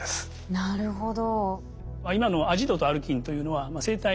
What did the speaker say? なるほど。